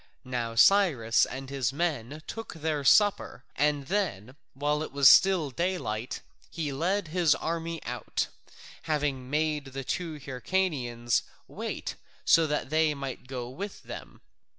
Now Cyrus and his men took their supper and then while it was still daylight he led his army out, having made the two Hyrcanians wait so that they might go with them.